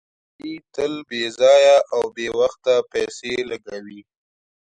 علي تل بې ځایه او بې وخته پیسې لګوي.